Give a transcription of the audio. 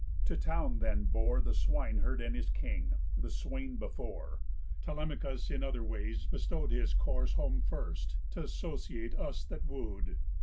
To town then bore The swine herd and his King, the swain before, Telemachus in other ways bestow'd His course home first, t' associate us that woo'd.